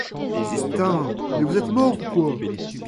’tain mais vous êtes morts ou quoi ?